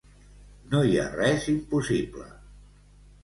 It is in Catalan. No hi ha res impossible.